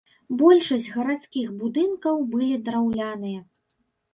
Большасць гарадскіх будынкаў былі драўляныя.